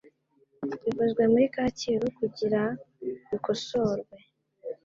bikozwe muri kacyiru kugira bikosorwe